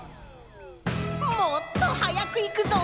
もっとはやくいくぞ！